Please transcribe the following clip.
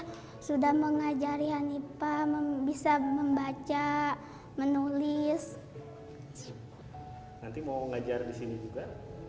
nanti mau ngajar disini juga